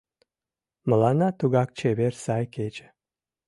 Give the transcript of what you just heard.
Мыланна тугак чевер сай кече